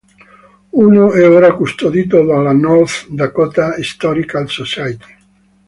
Uno è ora custodito dalla North Dakota Historical Society.